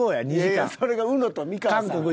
いやそれがうのと美川さん。